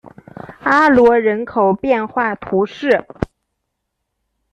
阿罗人口变化图示